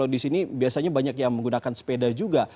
di sini biasanya banyak yang menggunakan sepeda juga